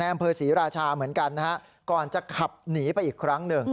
อำเภอศรีราชาเหมือนกันนะฮะก่อนจะขับหนีไปอีกครั้งหนึ่ง